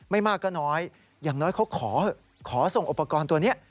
ไม่มากก็น้อยอย่างน้อยเขาขอส่งอุปกรณ์ตัวนี้